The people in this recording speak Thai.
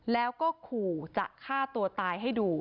แล้วก็ขู่จะฆ่าตัวตายให้ดู